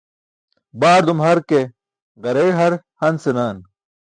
Baardum har ke ġareey har han senan.